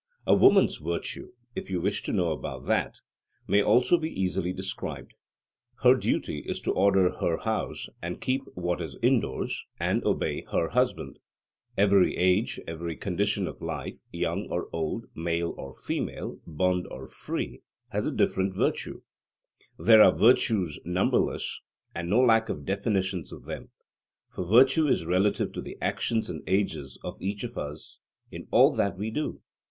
A woman's virtue, if you wish to know about that, may also be easily described: her duty is to order her house, and keep what is indoors, and obey her husband. Every age, every condition of life, young or old, male or female, bond or free, has a different virtue: there are virtues numberless, and no lack of definitions of them; for virtue is relative to the actions and ages of each of us in all that we do.